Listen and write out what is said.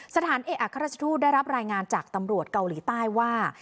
สถานเอกอัครราชทูตได้รับรายงานจากตำรวจเกาหลีใต้ว่า